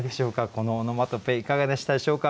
このオノマトペいかがでしたでしょうか。